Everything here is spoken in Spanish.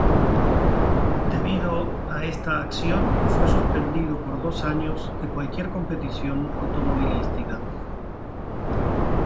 Debido a esta acción, fue suspendido por dos años de cualquier competición automovilística.